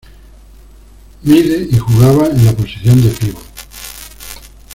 Mide y jugaba en la posición de pívot.